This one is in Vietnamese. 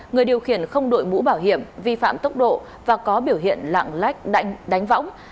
người điều khiển không đội mũ bảo hiểm vi phạm tốc độ và có biểu hiện lạng lách đánh võng